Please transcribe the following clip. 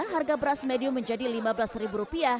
harga beras medium menjadi rp lima belas